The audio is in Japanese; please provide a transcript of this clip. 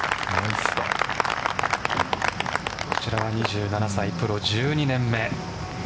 こちらは２７歳、プロ１２年目。